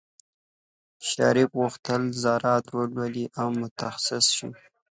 شریف غوښتل زراعت ولولي او متخصص شي.